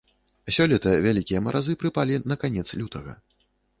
Сёлета вялікія маразы прыпалі на канец лютага.